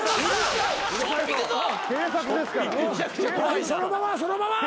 はいそのままそのまま。